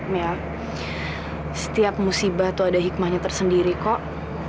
mia setiap musibah tuh ada hikmahnya tersendiri kok